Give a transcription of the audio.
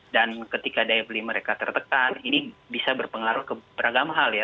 dan ketika daya beli mereka tertekan ini bisa berpengaruh ke beragam hal ya